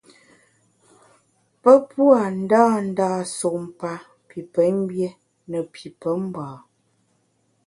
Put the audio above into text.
Pe pua’ ndândâ sumpa pi pemgbié ne pi pemba.